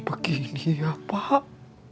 lagian industri ya pak